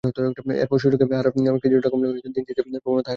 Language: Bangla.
এরপর সূচক বাড়ার হার কিছুটা কমলেও দিন শেষে বাড়তি প্রবণতায় থাকে সূচক।